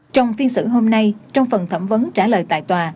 trong phiên xử hôm nay trong phần thẩm vấn trả lời tại tòa